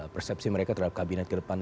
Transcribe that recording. persepsi mereka terhadap kabinet ke depan